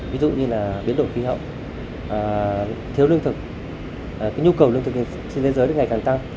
ví dụ như là biến độ khí hậu thiếu lương thực cái nhu cầu lương thực trên thế giới được ngày càng tăng